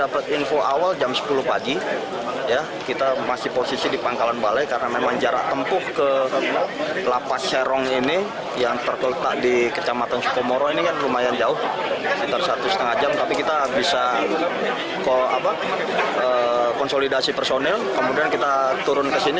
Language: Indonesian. pada saat satu tiga puluh jam kita bisa konsolidasi personel kemudian kita turun ke sini